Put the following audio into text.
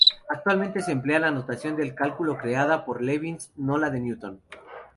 Actualmente se emplea la notación del cálculo creada por Leibniz, no la de Newton.